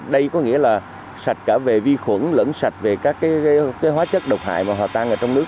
đây có nghĩa là sạch cả về vi khuẩn lẫn sạch về các hóa chất độc hại mà hòa tan ở trong nước